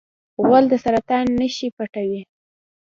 غول د سرطان نښې پټوي.